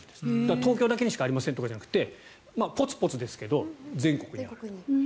東京だけにしかありませんじゃなくてポツポツですけど全国にあると。